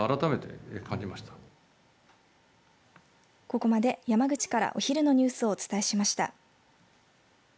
ここまで山口からお昼のニュースをお伝えしました。